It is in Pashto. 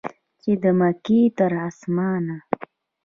چې د مځکې تر اسمانه